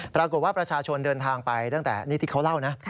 ปรากฏว่าประชาชนเดินทางไปตั้งแต่นี่ที่เขาเล่านะ